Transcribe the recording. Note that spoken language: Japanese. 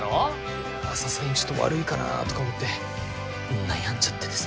いやさすがにちょっと悪いかなとか思って悩んじゃってですね。